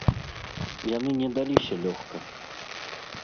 Яны не даліся лёгка.